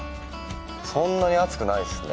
そんなに暑くないですね。